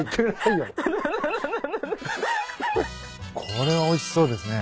これはおいしそうですね。